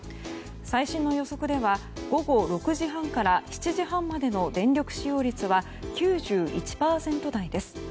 最新の予測では午後６時半から７時半までの電力使用率は９１％台です。